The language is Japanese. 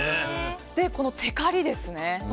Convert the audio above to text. このてかりですね。